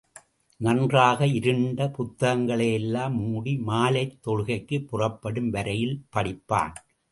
நன்றாக இருண்டு புத்தகங்களை எல்லாம் மூடி மாலைத் தொழுகைக்குப் புறப்படும் வரையில் படிப்பான்.